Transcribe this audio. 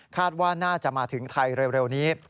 ว่าน่าจะมาถึงไทยเร็วนี้